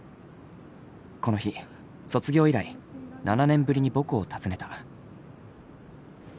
この日卒業以来７年ぶりに母校を訪ねた。